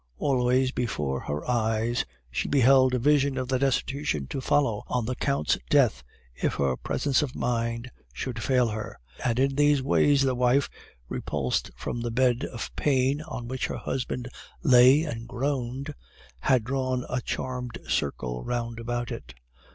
Always before her eyes she beheld a vision of the destitution to follow on the Count's death if her presence of mind should fail her; and in these ways the wife, repulsed from the bed of pain on which her husband lay and groaned, had drawn a charmed circle round about it.